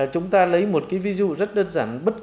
chúng ta lấy một cái ví dụ rất đơn giản